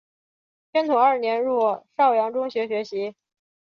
宣统二年入邵阳中学学习。